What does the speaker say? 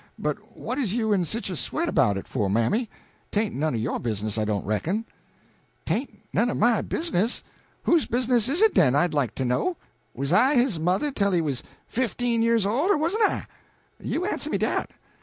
But what is you in sich a sweat 'bout it for, mammy? 'Tain't none o' your business I don't reckon." "'Tain't none o' my business? Whose business is it den, I'd like to know? Wuz I his mother tell he was fifteen years old, or wusn't I? you answer me dat.